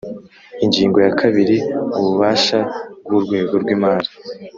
Ingingo ya kabiri Ububasha bw urwego rw imari